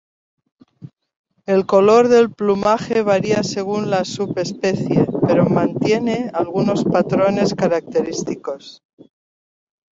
El color del plumaje varía según la subespecie, pero mantiene algunos patrones característicos.